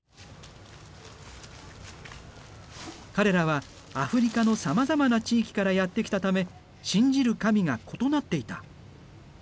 彼らはアフリカのさまざまな地域からやって来たため信じる神が異なっていた。